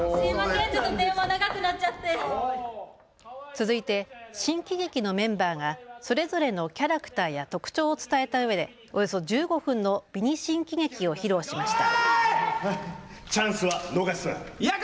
続いて新喜劇のメンバーがそれぞれのキャラクターや特徴を伝えたうえでおよそ１５分のミニ新喜劇を披露しました。